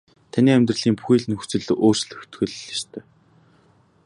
Таны амьдралын бүхий л нөхцөл өөрчлөгдөх л ёстой.